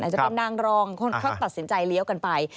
อาจจะต้องนั่งรองเขาตัดสินใจเลี้ยวกันไป